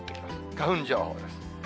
花粉情報です。